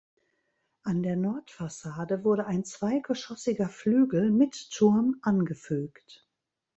An der Nordfassade wurde ein zweigeschossiger Flügel mit Turm angefügt.